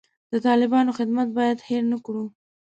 د طالبانو خدمت باید هیر نه کړو.